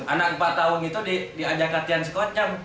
anak empat tahun itu diajak katihan skotjam